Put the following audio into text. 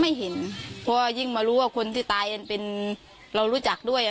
ไม่เห็นเพราะยิ่งมารู้ว่าคนที่ตายเรารู้จักด้วย